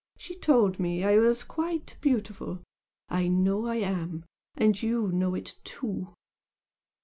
she told me I was 'quite beautiful!' I know I am! and you know it too!"